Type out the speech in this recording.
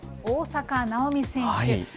大坂なおみ選手。